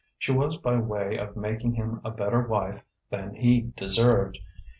She was by way of making him a better wife than he deserved.